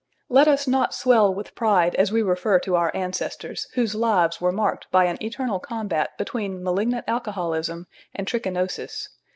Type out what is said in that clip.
Let us not swell with pride as we refer to our ancestors, whose lives were marked by an eternal combat between malignant alcoholism and trichinosis.